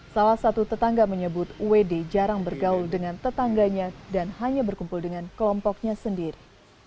salah satu tetangga menyebut wd jarang bergaul dengan tetangganya dan hanya berkumpul dengan kelompoknya sendiri